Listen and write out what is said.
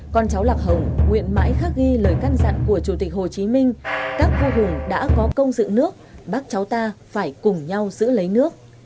con cháu lạc hồng nguyện mãi khắc ghi lời căn dặn của chủ tịch hồ chí minh các vua hùng đã có công dựng nước bác cháu ta phải cùng nhau giữ lấy nước